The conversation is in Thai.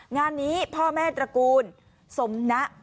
งานนี้พ่อแม่ตระกูลสมนะ